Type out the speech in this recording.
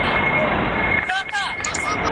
زه له سهاره مينه څرګندوم؟!